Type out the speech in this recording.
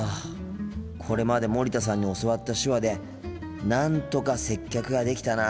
これまで森田さんに教わった手話でなんとか接客ができたなあ。